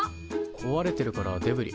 こわれてるからデブリ。